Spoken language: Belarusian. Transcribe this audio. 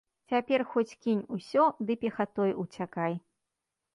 Цяпер хоць кінь усё ды пехатой уцякай.